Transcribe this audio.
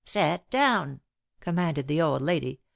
"Set down," commanded the old lady.